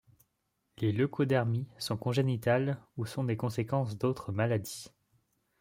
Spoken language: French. Les leucodermies sont congénitales ou sont des conséquences d'autres maladies.